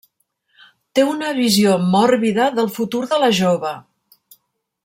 Té una visió mòrbida del futur de la jove.